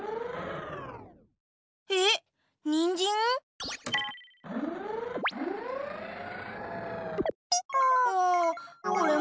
えっにんじん？ピポ。